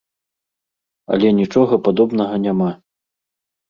Але нічога падобнага няма.